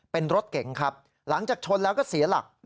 เป็นรถเก๋งครับหลังจากชนแล้วก็เสียหลัก